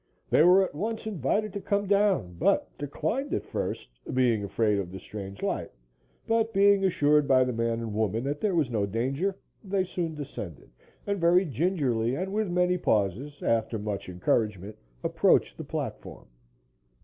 They were at once invited to come down, but declined at first, being afraid of the strange light, but, being assured by the man and woman that there was no danger, they soon descended, and very gingerly and with many pauses, after much encouragement, approached the platform.